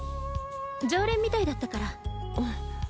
常連みたいだったから。